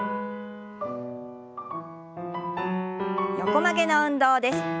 横曲げの運動です。